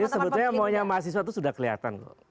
sebetulnya maunya mahasiswa tuh sudah kelihatan